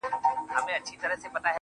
له خدای وطن سره عجیبه مُحبت کوي